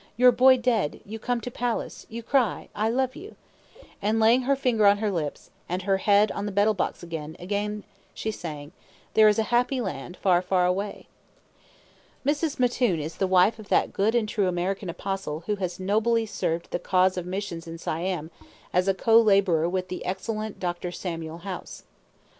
Your boy dead, you come to palace; you cry I love you"; and laying her finger on her lips, and her head on the betel box again, again she sang, "There is a Happy Land, far, far away!" Mrs. Mattoon is the wife of that good and true American apostle who has nobly served the cause of missions in Siam as a co laborer with the excellent Dr. Samuel House.